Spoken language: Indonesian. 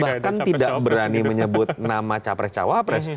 bahkan tidak berani menyebut nama capres cawapres